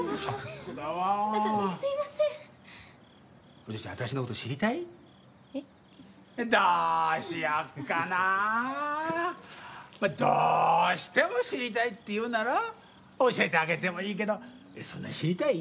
まあどうしても知りたいっていうなら教えてあげてもいいけどそんなに知りたい？